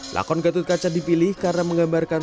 lakon gatut kaca dipilih karena menggambarkan